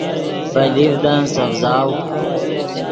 ڤے لیڤدن سڤزاؤ